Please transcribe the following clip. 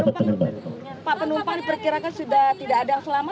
pak penumpang diperkirakan sudah tidak ada yang selama